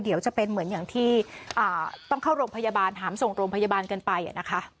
เดี๋ยวจะเป็นเหมือนอย่างที่ต้องเข้าโรงพยาบาลหามส่งโรงพยาบาลกันไปนะคะ